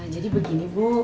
jadi begini bu